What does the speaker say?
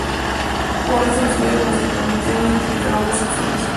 Fueron estos estudios los que permitieron identificar otras opciones.